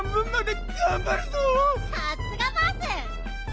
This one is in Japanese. さすがバース！